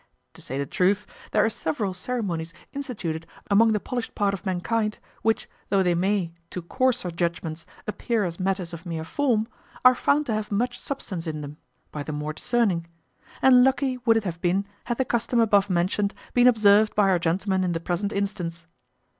To say the truth, there are several ceremonies instituted among the polished part of mankind, which, though they may, to coarser judgments, appear as matters of mere form, are found to have much of substance in them, by the more discerning; and lucky would it have been had the custom above mentioned been observed by our gentleman in the present instance.